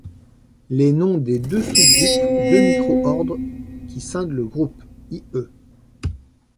Les noms des deux sous-groupes, deux micro-ordres qui scindent le groupe, i.e.